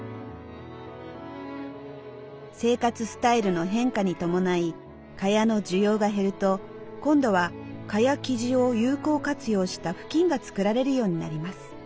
生活スタイルの変化に伴い蚊帳の需要が減ると今度は蚊帳生地を有効活用した布巾が作られるようになります。